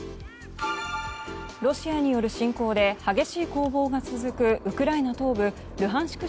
ロシアによる侵攻で激しい攻防が続くウクライナ東部ルハンシク